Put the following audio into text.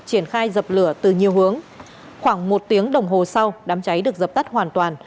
triển khai dập lửa từ nhiều hướng khoảng một tiếng đồng hồ sau đám cháy được dập tắt hoàn toàn